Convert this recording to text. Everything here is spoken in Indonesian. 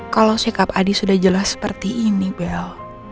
kalau sikap adi sudah jelas seperti ini bel